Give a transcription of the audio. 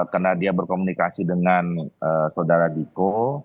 karena dia berkomunikasi dengan saudara diko